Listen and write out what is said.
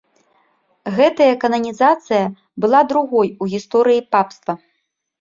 Гэтая кананізацыя была другой у гісторыі папства.